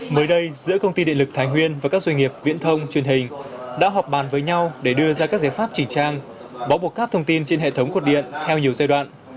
mới đây giữa công ty điện lực thái nguyên và các doanh nghiệp viễn thông truyền hình đã họp bàn với nhau để đưa ra các giải pháp chỉnh trang bó buộc các thông tin trên hệ thống cột điện theo nhiều giai đoạn